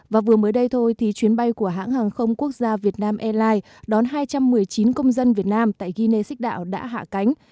và vừa mới đây thôi thì chuyến bay của hãng hàng không quốc gia việt nam airlines đón hai trăm một mươi chín công dân việt nam tại guinea xích đạo đã hạ cánh